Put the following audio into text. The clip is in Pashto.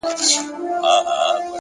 نیک عمل خاموش شهرت جوړوي.!